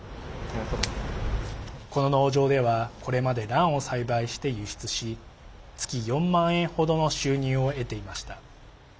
この農場では、これまでランを栽培して輸出し月４万円程の収入を得ていました。